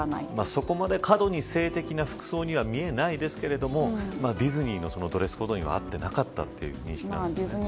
そこまで過度に性的な服装には見えないですけれどもディズニーのドレスコードには合ってなかったという認識ですかね。